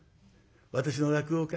私の落語会